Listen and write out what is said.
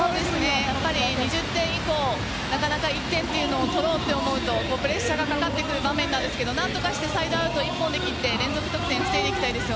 ２０点以降なかなか１点というのを取ろうと思うとプレッシャーがかかってくる場面ですが何とかしてサイドアウト１本で切って連続得点